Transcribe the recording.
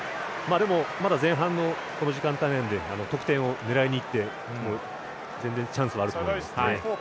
まだ前半のこの時間帯なので得点を狙いにいってもチャンスはあると思います。